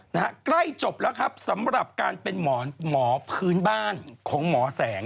ใกล้จบแล้วครับสำหรับการเป็นหมอหมอพื้นบ้านของหมอแสง